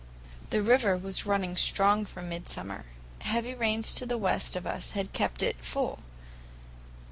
The river was running strong for midsummer; heavy rains to the west of us had kept it full.